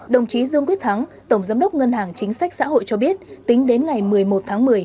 đồng chí dương quyết thắng tổng giám đốc ngân hàng chính sách xã hội cho biết tính đến ngày một mươi một tháng một mươi